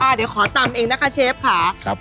แล้วเดี๋ยวขอตำเองนะคะเชฟค่ะครับค่ะ